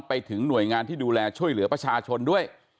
ไปถึงหน่วยงานที่ดูแลช่วยเหลือประชาชนด้วย